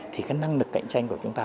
thì cái năng lực cạnh tranh của chúng ta